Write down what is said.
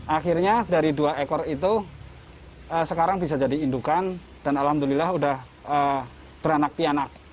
akhirnya dari dua ekor itu sekarang bisa jadi indukan dan alhamdulillah sudah beranak pianak